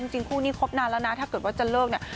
คู่นี้คบนานแล้วนะถ้าเกิดว่าจะเลิกเนี่ย